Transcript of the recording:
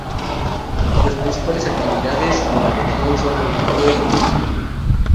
Las principales actividades de la región son la agricultura y el turismo.